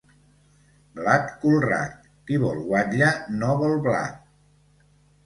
Blat colrat! Qui vol guatlla no vol blat.